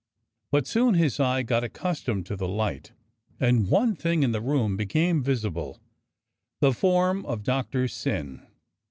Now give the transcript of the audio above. But soon his eye got accustomed to the light, and one thing in the room became visible, the form of Doctor Syn.